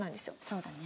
そうだね。